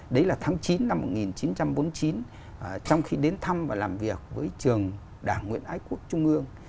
đấy là tháng chín năm một nghìn chín trăm bốn mươi chín trong khi đến thăm và làm việc với trường đảng nguyễn ái quốc trung ương